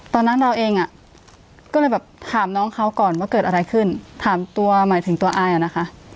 ตอนนั้นเราเองอ่ะก็เลยแบบถามน้องเขาก่อนว่าเกิดอะไรขึ้นถามตัวหมายถึงตัวอายอ่ะนะคะ